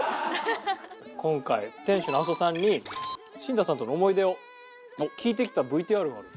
今回店主の阿蘓さんにしんたさんとの思い出を聞いてきたＶＴＲがある。